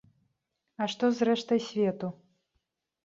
А што з рэштай свету?